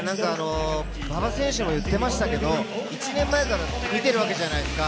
馬場選手も言ってましたけれども、１年前から見てるわけじゃないですか。